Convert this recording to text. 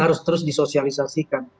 harus terus disosialisasikan